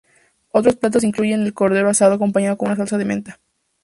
Otros platos incluyen el cordero asado acompañado con salsa de menta.